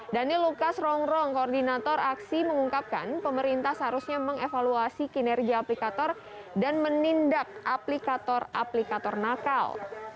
dhani lukas rongrong koordinator aksi mengungkapkan pemerintah seharusnya mengevaluasi kinerja aplikator dan menindak aplikator aplikator nakal